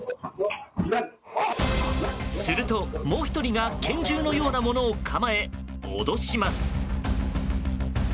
すると、もう１人が拳銃のようなものを構え脅します。